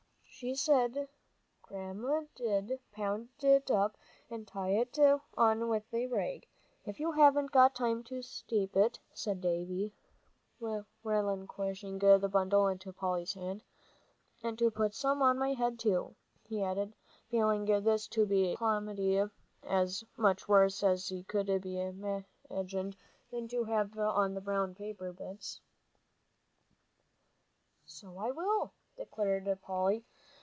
"She said Grandma did pound it up and tie it on with a rag, if you haven't got time to steep it," said Davie, relinquishing the bundle into Polly's hand, "and to put some on my head, too," he added, feeling this to be a calamity as much worse as could be imagined than to have on the brown paper bits. "So I will," declared Polly.